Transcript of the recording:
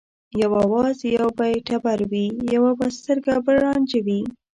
یو آواز یو به ټبر وي یو به سترګه بل رانجه وي